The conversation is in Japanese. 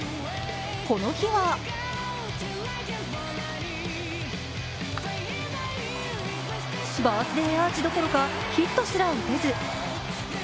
この日はバースデーアーチどころかヒットすら打てず。